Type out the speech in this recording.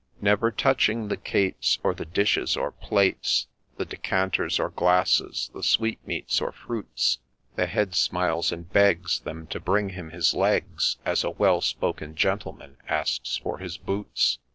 Never touching the cates, or the dishes or plates, The decanters or glasses, the sweetmeats or fruits, The head smiles, and begs them to bring him his legs, As a well spoken gentleman asks for his boots.